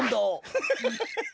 ハハハハハ。